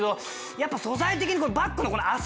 やっぱ素材的にバッグの麻。